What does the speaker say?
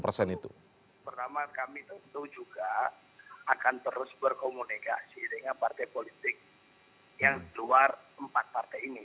pertama kami tentu juga akan terus berkomunikasi dengan partai politik yang di luar empat partai ini